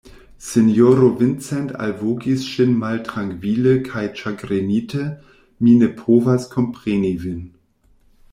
Sinjoro Vincent alvokis ŝin maltrankvile kaj ĉagrenite, mi ne povas kompreni vin.